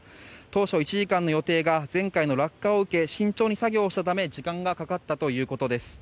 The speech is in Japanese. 当初１時間の予定が前回の落下を受け慎重に作業をしたため時間がかかったということです。